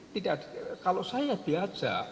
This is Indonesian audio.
tidak kalau saya diajak